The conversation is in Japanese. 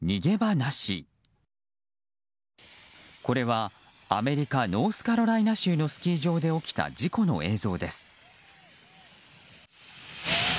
これはアメリカノースカロライナ州のスキー場で起きた事故の映像です。